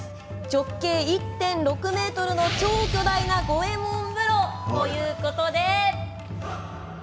直径１．６ｍの超巨大な五右衛門風呂。ということで。